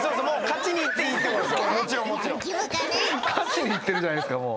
勝ちにいってるじゃないですか。